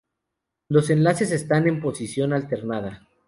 Los enlaces están en posición alternada.